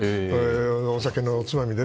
お酒のつまみでね。